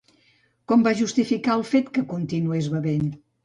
Com va justificar el fet que continués bevent?